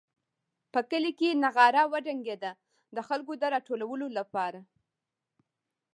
په کلي کې نغاره وډنګېده د خلکو د راټولولو لپاره.